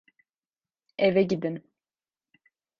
Eve gidin.